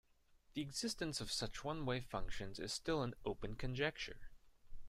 The existence of such one-way functions is still an open conjecture.